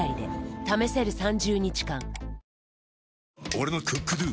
俺の「ＣｏｏｋＤｏ」！